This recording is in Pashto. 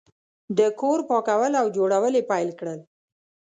د کور پاکول او جوړول یې پیل کړل.